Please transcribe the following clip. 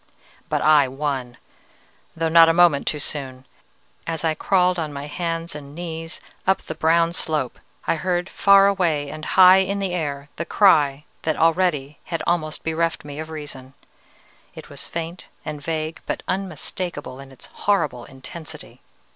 "But I won! though not a moment too soon. As I crawled on my hands and knees up the brown slope, I heard, far away and high in the air, the cry that already had almost bereft me of reason. It was faint and vague, but unmistakable in its horrible intensity.